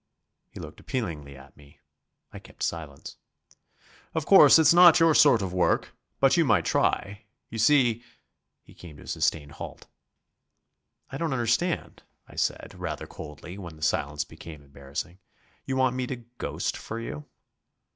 He looked appealingly at me. I kept silence. "Of course, it's not your sort of work. But you might try.... You see...." He came to a sustained halt. "I don't understand," I said, rather coldly, when the silence became embarrassing. "You want me to 'ghost' for you?"